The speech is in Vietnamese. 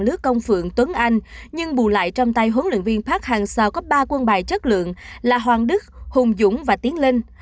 lứa công phượng tuấn anh nhưng bù lại trong tay huấn luyện viên park hang sao có ba quân bài chất lượng là hoàng đức hùng dũng và tiến lên